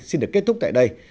xin được kết thúc tại đây